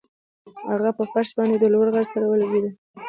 هغه په فرش باندې د لوړ غږ سره ولګیده